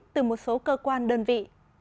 từ một số cơ quan đơn vị